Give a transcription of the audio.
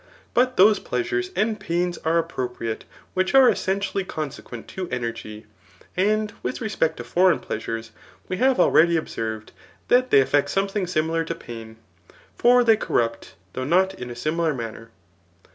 But those pleasures and pains are ap* propriate, which are essentially consequent to energy. And with respect to foreign pleasures, we have already observed, that they effect something similar to pain, for they corrupt, though not in a similar manner.